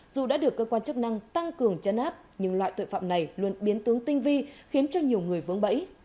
dù đã được cơ quan chức năng tăng cường chấn áp nhưng loại tội phạm này luôn biến tướng tinh vi khiến cho nhiều người vướng bẫy